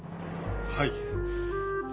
はい。